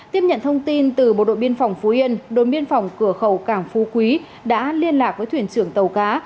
tiếp nhận thông tin từ bộ đội biên phòng phú yên đồn biên phòng cửa khẩu cảng phú quý đã liên lạc với thuyền trưởng tàu cá